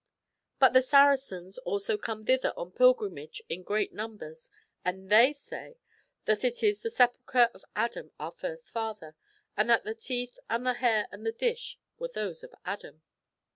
But the Saracens also come thither on pilgrimage in great numbers, and they say that it is the sepulchre of Adam our first father, and that the teeth, and the hair, and the dish were those of Adam.